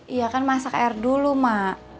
iya kan masak air dulu mak